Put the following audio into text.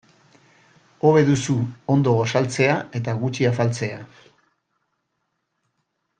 Hobe duzu ondo gosaltzea eta gutxi afaltzea.